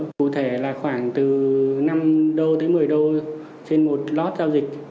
cụ thể là khoảng từ năm đô tới một mươi đô trên một lót giao dịch